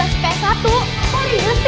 guys kita ke lapangan poli yuk